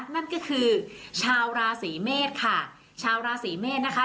นั่นก็คือชาวราศีเมษค่ะชาวราศีเมษนะคะ